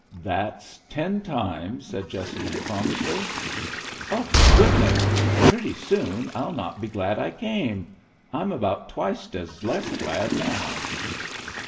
"That's ten times," said Jessamine, promptly. "Oh, goodness! Pretty soon I'll not be glad I came. I'm about twiced as less glad now."